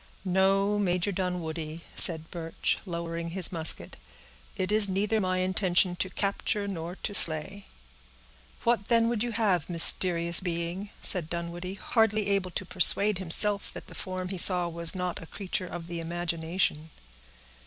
"No, Major Dunwoodie," said Birch, lowering his musket, "it is neither my intention to capture nor to slay." "What then would you have, mysterious being?" said Dunwoodie, hardly able to persuade himself that the form he saw was not a creature of the imagination.